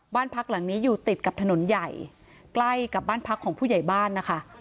บ้านพักหลังนี้อยู่ติดกับถนนใหญ่ใกล้กับบ้านพักของผู้ใหญ่บ้านนะคะ